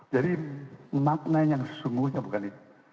jadi maknanya sesungguhnya bukan itu